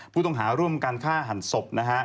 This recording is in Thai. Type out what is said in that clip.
ผู้ต้องหาร่วมการฆ่าหันศพนะฮะ